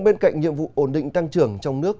bên cạnh nhiệm vụ ổn định tăng trưởng trong nước